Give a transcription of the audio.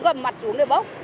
không gầm mặt xuống để bốc